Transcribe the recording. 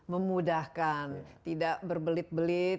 memudahkan tidak berbelit belit